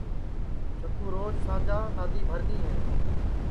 چکُو روج سانجا نادی بھرنی ہے